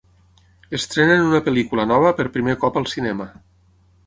Estrenen una pel·lícula nova per primer cop al cinema.